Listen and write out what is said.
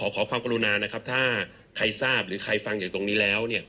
ขอความกรุณานะครับถ้าใครทราบหรือใครฟังจากตรงนี้แล้วเนี่ย